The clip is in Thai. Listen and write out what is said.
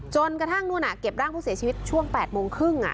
จนกระทั่งนู่นเก็บร่างผู้เสียชีวิตช่วง๘โมงครึ่ง